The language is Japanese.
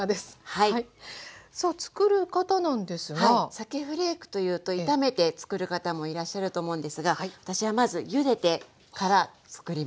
さけフレークというと炒めてつくる方もいらっしゃると思うんですが私はまずゆでてからつくります。